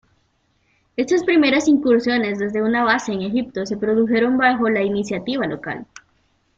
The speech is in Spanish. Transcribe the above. Estas primeras incursiones desde una base en Egipto se produjeron bajo la iniciativa local.